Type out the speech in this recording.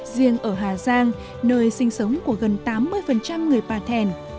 riêng ở hà giang nơi sinh sống của gần tám mươi người bà thèn